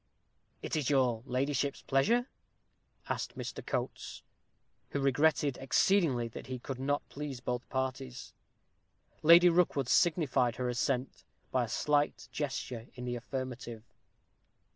"Is it your ladyship's pleasure?" asked Mr. Coates, who regretted exceedingly that he could not please both parties. Lady Rookwood signified her assent by a slight gesture in the affirmative.